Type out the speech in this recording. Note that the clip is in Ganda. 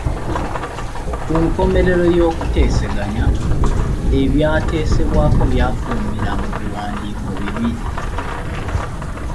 Ku nkomerero y’okuteeseganya, ebyateesebwako byafulumira mu biwandiiko bibiri.